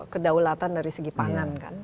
kedaulatan dari segi pangan kan